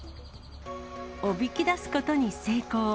おびき出すことに成功。